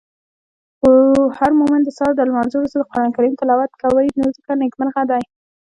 هرمومن د سهار د لمانځه وروسته د قرانکریم تلاوت کوی نو ځکه نیکمرغه دی.